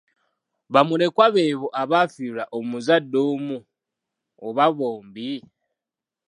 Bamulekwa beebo abaafiirwa omuzadde omu oba bombi.